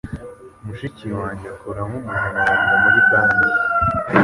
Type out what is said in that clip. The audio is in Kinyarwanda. Mushiki wanjye akora nk'umunyamabanga muri banki.